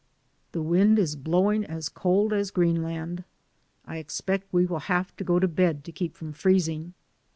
The wind is blowing as cold as Green land. I expect we will have to go to bed to keep from freezing.